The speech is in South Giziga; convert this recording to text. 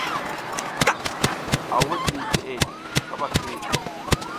A wuɗ liʼi teʼe kaɓa kiri.